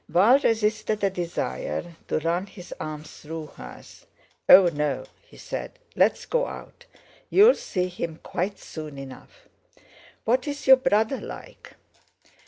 Val resisted a desire to run his arm through hers. "Oh! no," he said, "let's go out. You'll see him quite soon enough. What's your brother like?"